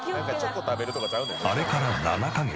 あれから７カ月。